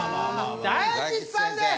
大吉さんです。